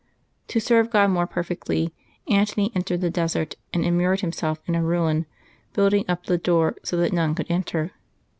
To serve God more perfectly, Antony entered the desert and immured himself in a ruin, building up the door so that none could enter.